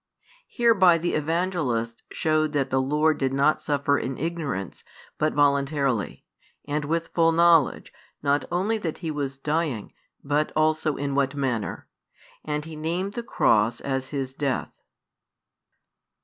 Hereby the Evangelist showed that the Lord did not suffer in ignorance, but voluntarily; and with full knowledge, not only that He was dying, but also in what manner: and He named the Cross [as His] death.